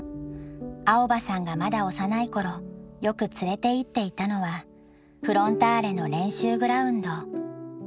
蒼葉さんがまだ幼い頃よく連れていっていたのはフロンターレの練習グラウンド。